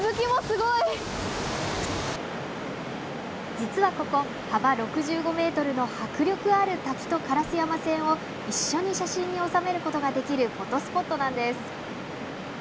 実はここ、幅６５ｍの迫力ある滝と烏山線を一緒に写真に収めることができるフォトスポットなんです。